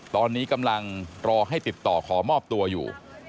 ตอนนี้กำลังรอให้ติดต่อขอมอบตัวอยู่